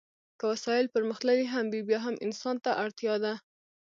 که وسایل پرمختللي هم وي بیا هم انسان ته اړتیا ده.